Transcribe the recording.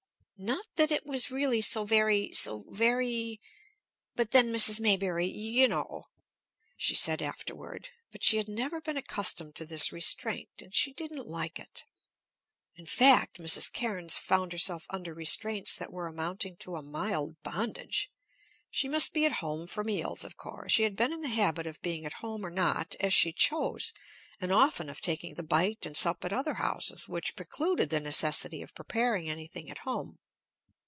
"Not that it was really so very so very but then Mrs. Maybury, you know," she said afterward. But she had never been accustomed to this restraint, and she didn't like it. In fact Mrs. Cairnes found herself under restraints that were amounting to a mild bondage. She must be at home for meals, of course; she had been in the habit of being at home or not as she chose, and often of taking the bite and sup at other houses, which precluded the necessity of preparing anything at home.